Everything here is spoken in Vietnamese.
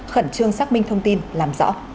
khẩn trương xác minh thông tin làm rõ